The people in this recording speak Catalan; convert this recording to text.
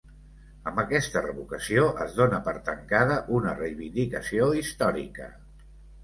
Amb aquesta revocació es dona per tancada una reivindicació històrica